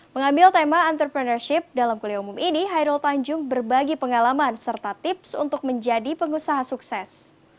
mengambil tema entrepreneurship dalam kuliah umum ini hairul tanjung berbagi pengalaman serta tips untuk menjadi pengusaha sukses